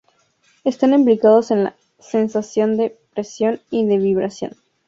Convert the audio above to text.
Están implicados en la sensación de presión y de vibración.